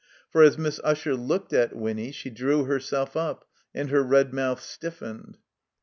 For as Miss Usher looked at Winny she drew herself up and her red mouth stiffened.